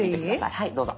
はいどうぞ。